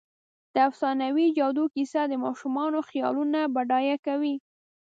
د افسانوي جادو کیسه د ماشومانو خیالونه بډایه کوي.